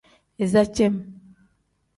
Iza cem.